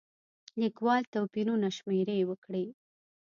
لیکوال توپیرونه شمېرې وکړي.